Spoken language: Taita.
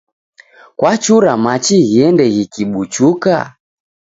Kwachura machi ghiende ghikibuchuka?